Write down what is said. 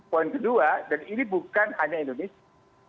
poin kedua dan ini bukan hanya indonesia